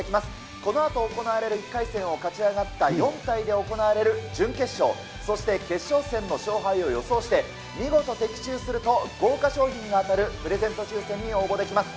このあと行われる１回戦を勝ち上がった４体で行われる準決勝、そして決勝戦の勝敗を予想して、見事的中すると豪華賞品が当たるプレゼント抽せんに応募できます。